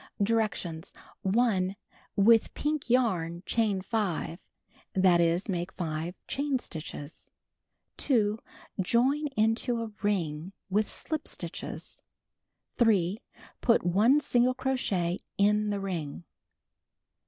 Directions: 1. With piidv yarn, chain 5; that is, make 5 chain stitches. 2. .loin into a ring with slip stitches. 3. Put 1 single crochet in the ring.